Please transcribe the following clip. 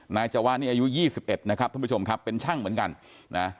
นายจะว่านี่อายุยี่สิบเอ็ดนะครับท่านผู้ชมครับเป็นช่างเหมือนกันนะ